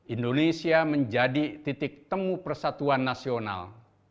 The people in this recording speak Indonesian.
indonesia menjadi titik temu persatuan nasional